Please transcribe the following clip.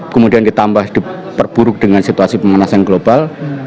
kemudian ditambah diperburuk dengan situasi pemanasan global